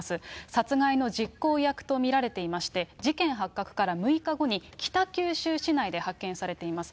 殺害の実行役と見られていまして、事件発覚から６日後に、北九州市内で発見されています。